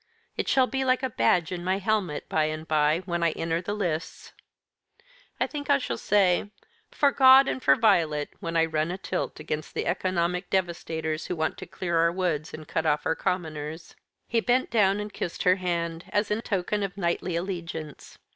It shall be like a badge in my helmet, by and by, when I enter the lists. I think I shall say: 'For God and for Violet,' when I run a tilt against the economic devastators who want to clear our woods and cut off our commoners." He bent down and kissed her hand, as in token of knightly allegiance.